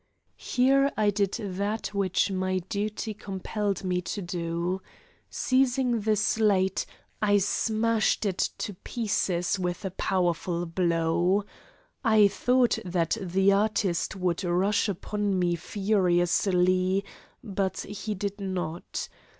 Here I did that which my duty compelled me to do. Seizing the slate, I smashed it to pieces with a powerful blow. I thought that the artist would rush upon me furiously, but he did not.